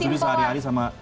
jadi itu yang paling baik